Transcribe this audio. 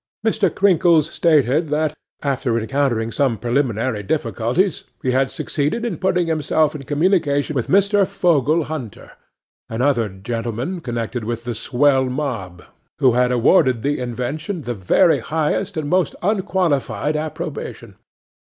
'MR. CRINKLES stated that, after encountering some preliminary difficulties, he had succeeded in putting himself in communication with Mr. Fogle Hunter, and other gentlemen connected with the swell mob, who had awarded the invention the very highest and most unqualified approbation.